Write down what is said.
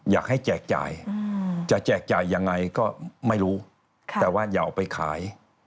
แจกจ่ายจะแจกจ่ายยังไงก็ไม่รู้แต่ว่าอย่าเอาไปขาย